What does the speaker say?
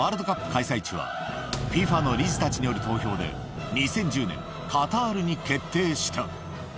開催地は、ＦＩＦＡの理事たちによる投票で、２０１０年、カタールに決定した。